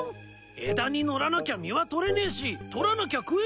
枝に乗らなきゃ実は採れねえし採らなきゃ食えねえし。